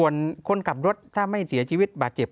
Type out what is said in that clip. ส่วนคนขับรถถ้าไม่เสียชีวิตบาดเจ็บ